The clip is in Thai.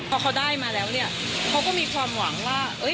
พอเขาได้มาแล้วเนี่ยเขาก็มีความหวังว่า